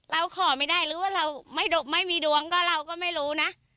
เราขอไม่ได้หรือว่าเราไม่ดบไม่มีดวงก็เราก็ไม่รู้นะ